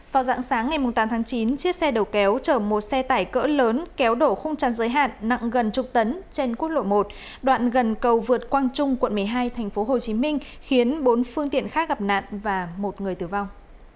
vào dạng sáng ngày tám tháng chín chiếc xe đầu kéo chở một xe tải cỡ lớn kéo đổ không trăn giới hạn nặng gần chục tấn trên quốc lộ một đoạn gần cầu vượt quang trung quận một mươi hai thành phố hồ chí minh khiến bốn phương tiện khác gặp nạn và một người tử vong